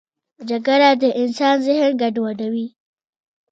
جګړه د انسان ذهن ګډوډوي